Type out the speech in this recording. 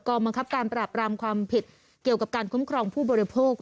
บังคับการปราบรามความผิดเกี่ยวกับการคุ้มครองผู้บริโภค